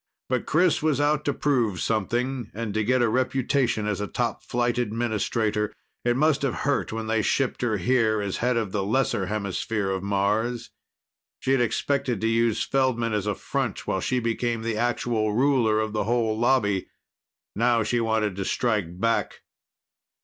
But Chris was out to prove something, and to get a reputation as a top flight administrator. It must have hurt when they shipped her here as head of the lesser hemisphere of Mars. She'd expected to use Feldman as a front while she became the actual ruler of the whole Lobby. Now she wanted to strike back.